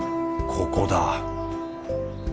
ここだ。